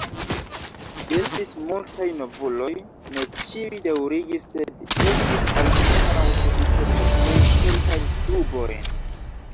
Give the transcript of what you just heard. Estis multaj novuloj, ne ĉiuj daŭrigis, sed estis almenaŭ sufiĉe por krei kelkajn klubojn.